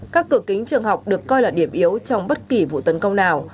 các cửa kính trường học được coi là điểm yếu trong bất kỳ vụ tấn công nào